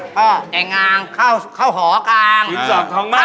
พ่อแก่งางเข้าหอกลางสินสอดทองมั่น